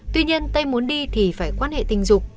tuy nhiên tây muốn đi thì phải quan hệ tình dục